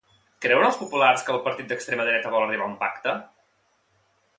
Creuen els populars que el partit d'extrema dreta vol arribar a un pacte?